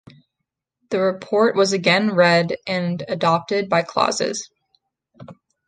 The report was again read and adopted by clauses.